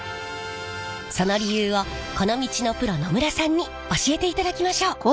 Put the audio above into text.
その理由をこの道のプロ野村さんに教えていただきましょう！